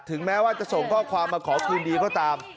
แม้ว่าจะส่งข้อความมาขอคืนดีก็ตาม